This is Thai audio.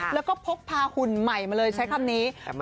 แล้วก็พกพาหุ่นใหม่มาเลยใช้คำนี้